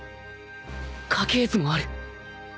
家系図もある